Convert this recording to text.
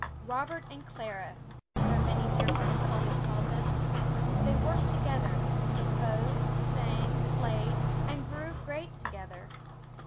"Robert and Clara," their many dear friends always called them. They worked together composed, sang, played, and grew great together.